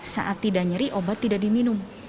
saat tidak nyeri obat tidak diminum